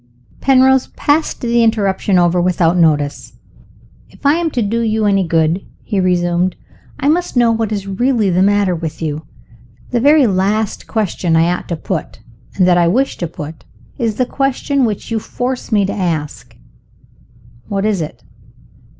Penrose passed the interruption over without notice. "If I am to do you any good," he resumed, "I must know what is really the matter with you. The very last question that I ought to put, and that I wish to put, is the question which you force me to ask." "What is it?"